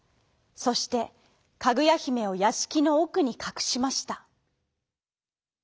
そしてかぐやひめをやしきのおくにかくしました。